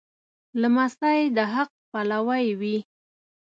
لمسی د حق پلوی وي.